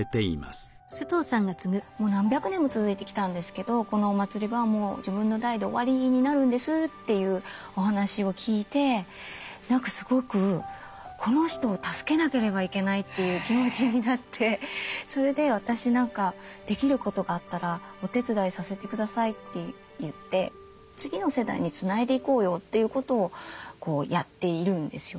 「もう何百年も続いてきたんですけどこのお祭りはもう自分の代で終わりになるんです」というお話を聞いて何かすごく「この人を助けなければいけない」という気持ちになってそれで「私何かできることがあったらお手伝いさせて下さい」って言って次の世代につないでいこうよということをやっているんですよ。